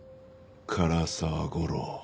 唐沢吾郎。